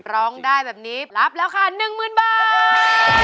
ร้องได้แบบนี้รับแล้วค่ะ๑๐๐๐บาท